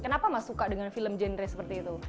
kenapa mas suka dengan film genre seperti itu